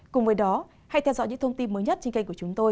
cùng với đó hãy theo dõi những thông tin mới nhất trên kênh của chúng tôi